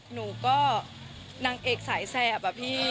หนูก็นางเอกสายแสบ